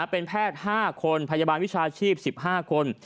เป็นแพทย์๕คนพยาบาลวิชาชีพ๑๕คน